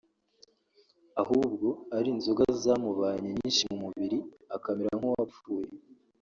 ahubwo ari inzoga zamubanye nyinshi mu mubiri akamera nk’uwapfuye